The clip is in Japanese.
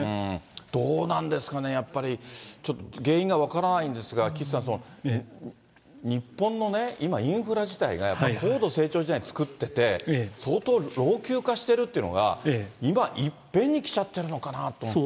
どうなんですかね、やっぱり、ちょっと、原因が分からないんですが、岸さん、日本のね、今インフラ自体が、やっぱり高度成長時代に作ってて、相当老朽化してるというのが今、いっぺんにきちゃってるのかなと思って。